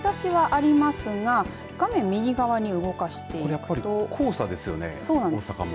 日ざしはありますが画面右側に動かしていくと黄砂ですよね、大阪も。